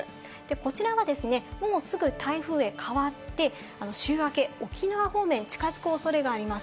こちらはですね、もうすぐ台風へ変わって週明け、沖縄方面へ近づく恐れがあります。